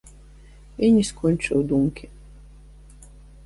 І не скончыў думкі.